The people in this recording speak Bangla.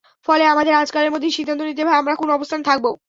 ফলে আমাদের আজকালের মধ্যেই সিদ্ধান্ত নিতে হবে আমরা কোন অবস্থানে থাকব।